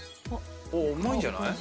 うまいんじゃない？